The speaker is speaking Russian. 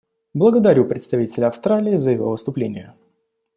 Благодарю представителя Австралии за его выступление.